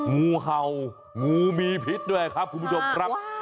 งูเห่างูมีพิษด้วยครับคุณผู้ชมครับ